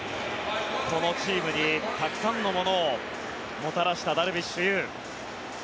このチームに、たくさんのものをもたらしたダルビッシュ有。